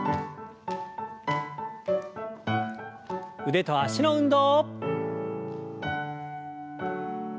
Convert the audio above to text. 腕と脚の運動。